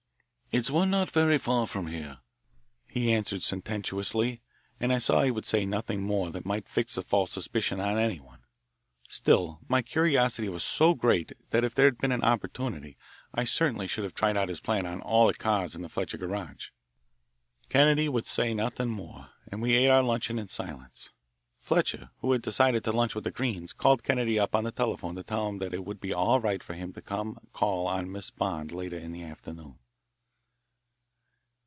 "It's one not very far from here," he answered sententiously, and I saw he would say nothing more that might fix a false suspicion on anyone. Still, my curiosity was so great that if there had been an opportunity I certainly should have tried out his plan on all the cars in the Fletcher garage. Kennedy would say nothing more, and we ate our luncheon in silence. Fletcher, who had decided to lunch with the Greenes, called Kennedy up on the telephone to tell him it would be all right for him to call on Miss Bond later in the afternoon.